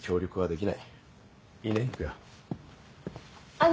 あの。